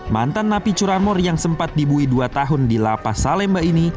mantan napi curahmor yang sempat dibuih dua tahun di lapas salemba ini